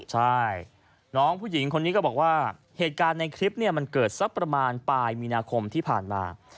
ใช่น้องผู้หญิงคนนี้ก็บอกว่าเหตุการณ์ในคลิปเนี่ยมันเกิดสักประมาณปลายมีนาคมที่ผ่านมา